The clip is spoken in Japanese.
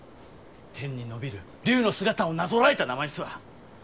天に伸びる龍の姿をなぞらえた名前ですわ。